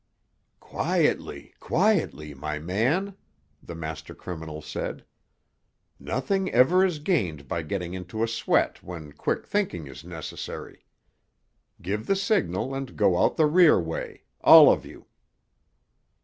"Quietly, quietly, my man," the master criminal said. "Nothing ever is gained by getting into a sweat when quick thinking is necessary. Give the signal and go out the rear way—all of you."